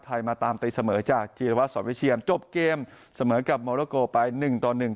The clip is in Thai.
มาตามตีเสมอจากจีรวัตรสอนวิเชียนจบเกมเสมอกับโมโลโกไปหนึ่งต่อหนึ่ง